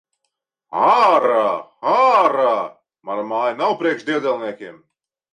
Ārā! Ārā! Mana māja nav priekš diedelniekiem!